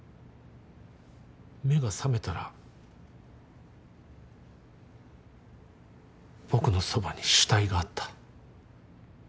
目が覚めたら僕のそばに死体があった。